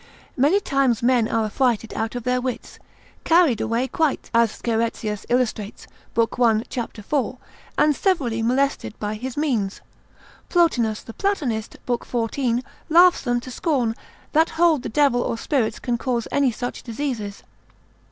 Many times men are affrighted out of their wits, carried away quite, as Scheretzius illustrates, lib. 1, c. iv., and severally molested by his means, Plotinus the Platonist, lib. 14, advers. Gnos. laughs them to scorn, that hold the devil or spirits can cause any such diseases.